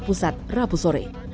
pusat rabu sore